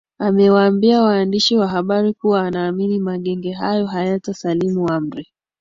amewambia waandishi wa habari kuwa anaamini magenge hayo hayata salimu amri